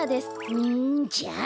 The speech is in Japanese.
ふんじゃあ。